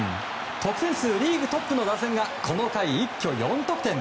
得点数リーグトップの打線がこの回一挙４得点。